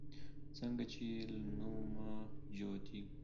څنگه چې يې له نومه جوتېږي